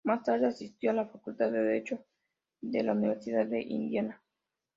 Más tarde asistió a la Facultad de Derecho de la Universidad de Indiana.